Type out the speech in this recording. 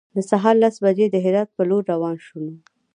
د سهار لس بجې د هرات په لور روان شولو.